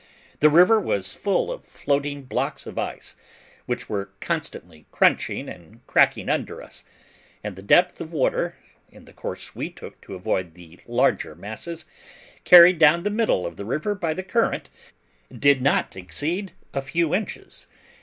The river was full of floating blocks of ice, which were constantly crunching and cracking under us; and the depth of water, in the course we took to avoid the larger masses, carried down the middle of the river by the current, did not exceed a few inches.